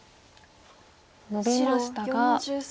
ノビましたが。